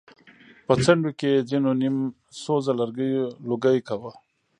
په څنډو کې يې ځېنو نيم سوزه لرګيو لوګی کوه.